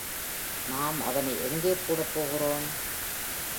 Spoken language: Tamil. நாம் அவனை எங்கே போடப்போகிறோம்?